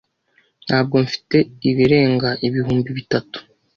Ntabwo mfite ibirenga ibihumbi bitatu.